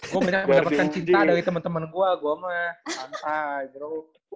gue mendapatkan cinta dari teman teman gue gue mah santai dulu